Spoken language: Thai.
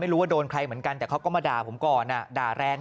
รู้ว่าโดนใครเหมือนกันแต่เขาก็มาด่าผมก่อนด่าแรง